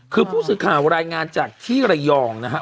คือผู้สื่อข่าวรายงานจากที่ระยองนะฮะ